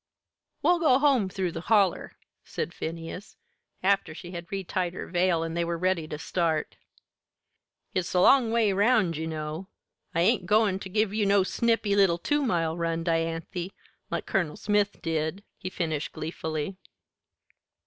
"We'll go home through the Holler," said Phineas, after she had retied her veil and they were ready to start. "It's the long way round, ye know. I ain't goin' ter give ye no snippy little two mile run, Dianthy, like Colonel Smith did," he finished gleefully.